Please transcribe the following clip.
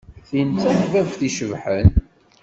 Tin d takbabt icebḥen.